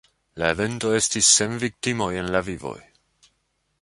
La evento estis sen viktimoj en la vivoj.